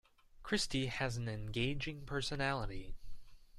Christy has an engaging personality.